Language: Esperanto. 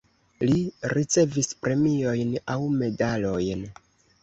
Li ricevis premiojn aŭ medalojn.